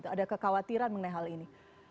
ada kekhawatiran mengenai hal ini